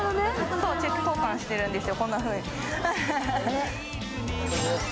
そうチェキ交換してるんですよ